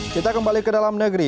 kita kembali ke dalam negeri